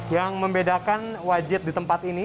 yang membedakan wajib di tempat ini